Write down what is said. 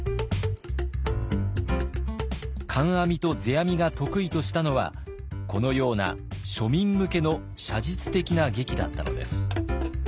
観阿弥と世阿弥が得意としたのはこのような庶民向けの写実的な劇だったのです。